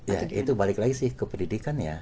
ya itu balik lagi sih ke pendidikan ya